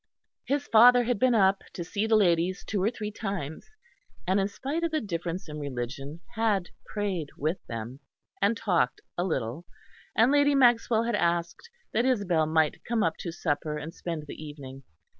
His father had been up to see the ladies two or three times, and in spite of the difference in religion had prayed with them, and talked a little; and Lady Maxwell had asked that Isabel might come up to supper and spend the evening.